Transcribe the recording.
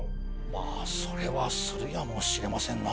まあそれはするやもしれませんな。